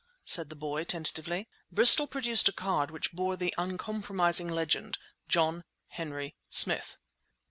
said the boy tentatively. Bristol produced a card which bore the uncompromising legend: John Henry Smith.